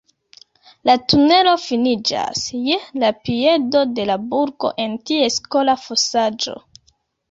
La tunelo finiĝas je la piedo de la burgo, en ties kola fosaĵo.